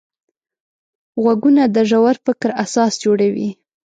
غوږونه د ژور فکر اساس جوړوي